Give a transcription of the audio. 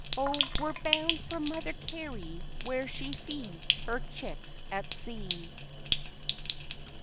Oh, we're bound for Mother Carey where she feeds her chicks at sea!